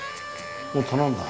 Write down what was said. もう頼んだ？